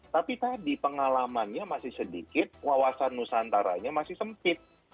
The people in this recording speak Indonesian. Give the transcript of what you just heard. tapi tadi pengalamannya masih sedikit wawasan nusantaranya masih sempit